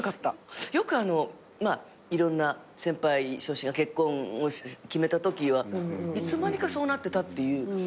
よくいろんな先輩諸氏が結婚を決めたときはいつの間にかそうなってたっていう。